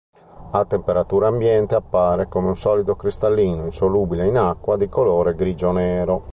A temperatura ambiente appare come un solido cristallino insolubile in acqua, di colore grigio-nero.